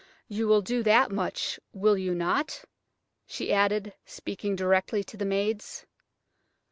You will do that much, will you not?" she added, speaking directly to the maids.